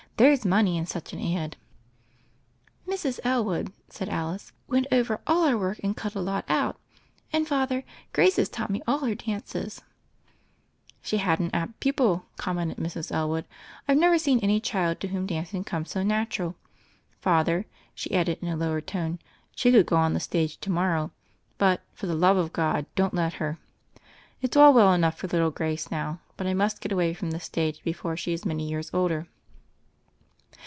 There's money in such an ad." "Mrs. Elwood," said Alice, "went over all our work, and cut a lot out. And, Father, Grace has taught me all her dances." THE FAIRY OF THE SNOWS 169 "She had an apt pupil," commented Mrs. El wood. "I've never seen any child to whom danc ing comes so natural. Father," she added in a lower tone, "she could go on the stage to mor row; but, for the love of God, don't let her. It's all well enough for little Grace now; but I must get away from the stage before she is many years older."